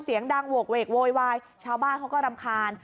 เสียงดังโหกเวกโวยวายชาวบ้านเขาก็รำคาญ